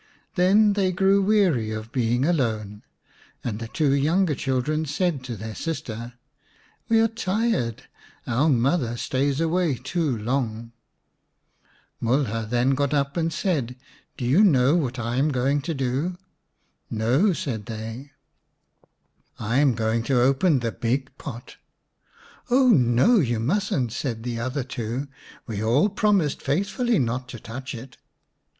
Then they grew weary of being alone, and the two younger children said to their sister, " We are tired ; our mother stays away too long." Mulha then got up and said, " Do you know what I am going to do ?"" No," said they. 225 Q The Beauty and the Beast xix " I am going to open the big pot." " Oh no, you mustn't," said the other two ; "we all promised faithfully not to touch it."